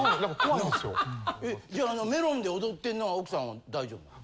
じゃああのメロンで踊ってんのは奥さんは大丈夫なの？